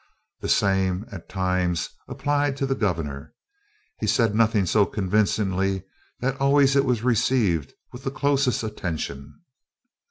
The same, at times, applied to the Gov'nor. He said nothing so convincingly that always it was received with the closest attention.